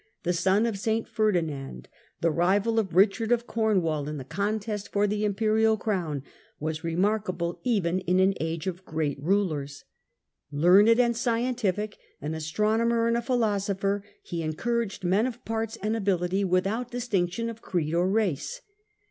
the son of St Ferdinand, the rival of Eichard of Cornwall the ^^^*' in the contest for the imperial crown (see p. 248), was i262 i2^'4 remarkable even in an age of great rulers. Learned and scientific, an astronomer and a philosopher, he encouraged men of parts and ability without distinction of creed or race.